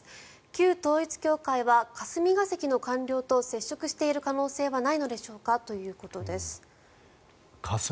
旧統一教会は霞が関の官僚と接触している可能性はないのでしょうか？ということです。